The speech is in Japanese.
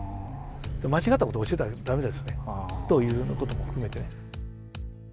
間違ったことを教えたら駄目ですねということも含めて。